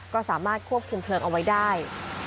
ก็สามารถควบคุมเพลิงเอาไว้ได้